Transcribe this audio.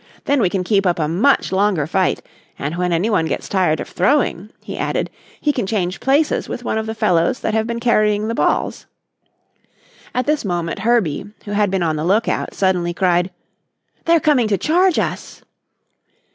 Then we can keep up a much longer fight and when anyone gets tired throwing," he added, "he can change places with one of the fellows that have been carrying the balls." At this moment, Herbie, who had been on the lookout, suddenly cried: "They're coming to charge us."